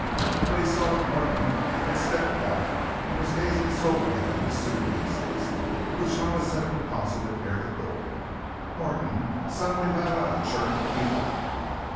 But he saw that Norton had stepped back and was gazing soberly at the suitcases, which Hollis had deposited near the door. Norton suddenly let out a chirp of delight.